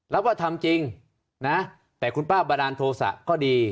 รับว่าทำจริงนะแต่คุณป้าบันดาลโทษะก็ดี